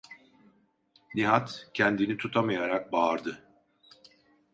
Nihat kendini tutamayarak bağırdı: